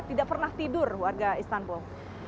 tidak pernah tidur warga istanbul